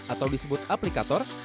atau disebut aplikator